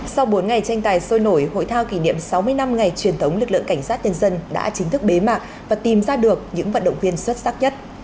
sau bốn ngày tranh tài sôi nổi hội thao kỷ niệm sáu mươi năm ngày truyền thống lực lượng cảnh sát nhân dân đã chính thức bế mạc và tìm ra được những vận động viên xuất sắc nhất